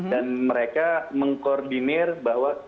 dan mereka mengkoordinir bahwa